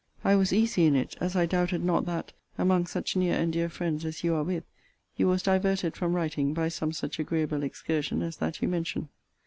I was easy in it, as I doubted not that, among such near and dear friends as you are with, you was diverted from writing by some such agreeable excursion as that you mention.